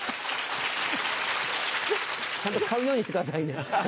ちゃんと買うようにしてくださいね。